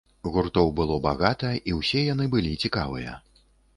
Гуртоў было багата і ўсе яны былі цікавыя.